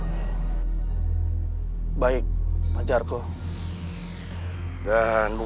tadi aku ada sarangan tuh